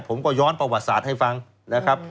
ผมก็ย้อนประวัติศาสตร์ให้ฟังนะครับ